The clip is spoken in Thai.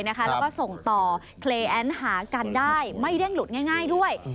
แล้วก็ส่งต่อเคลแอ้นหากันได้ไม่เร่งหลุดง่ายด้วย